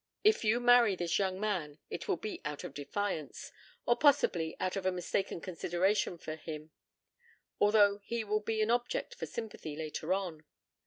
If you marry this young man it will be out of defiance, or possibly out of a mistaken consideration for him although he will be an object for sympathy later on.